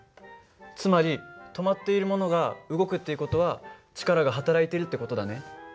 つまり止まっているものが動くっていう事は力がはたらいているって事だね。